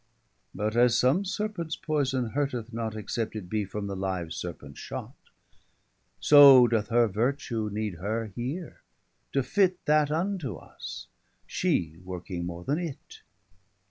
But as some Serpents poyson hurteth not, Except it be from the live Serpent shot, 410 So doth her vertue need her here, to fit That unto us; shee working more then it.